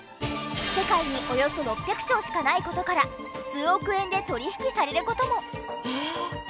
世界におよそ６００挺しかない事から数億円で取引される事も。